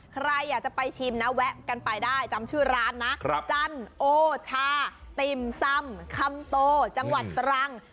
ใครอยากจะไปชิมนะแวะกันไปได้จำชื่อร้านนะจันโอชาติ่มซำคำโตจังหวัดตรัง